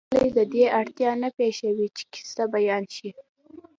د متلونو عاموالی د دې اړتیا نه پېښوي چې کیسه بیان شي